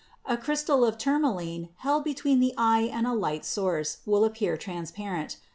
A crystal of tourmaline held between the eye and a light source will appear transparent.